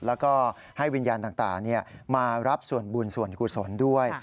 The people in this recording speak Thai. แล้วก็ให้วิญญาณต่างมารับส่วนบุญส่วนกุศลด้วย